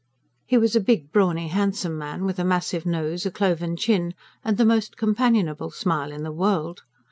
He was a big, brawny, handsome man, with a massive nose, a cloven chin, and the most companionable smile in the world.